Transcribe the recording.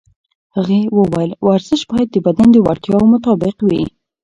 هغې وویل ورزش باید د بدن د وړتیاوو مطابق وي.